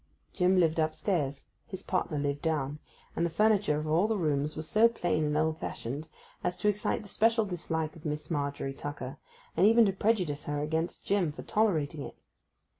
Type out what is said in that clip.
Jim lived upstairs; his partner lived down, and the furniture of all the rooms was so plain and old fashioned as to excite the special dislike of Miss Margery Tucker, and even to prejudice her against Jim for tolerating it.